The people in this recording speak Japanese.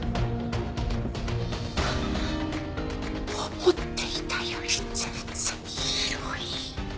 思っていたより全然広い。